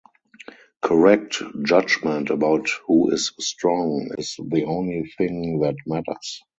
Correct judgment about who is strong is the only thing that matters.